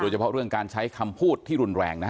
เฉพาะเรื่องการใช้คำพูดที่รุนแรงนะฮะ